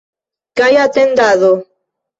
Kaj atendado.